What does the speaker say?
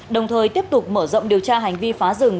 đồng thời tiếp tục mở rộng điều tra hành vi phá rừng